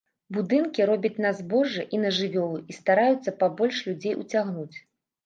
Будынкі робяць на збожжа і на жывёлу і стараюцца пабольш людзей уцягнуць.